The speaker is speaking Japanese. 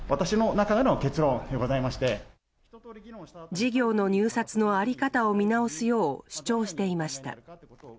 事業の入札の在り方を見直すよう主張していました。